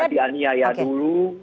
atau di aniaya dulu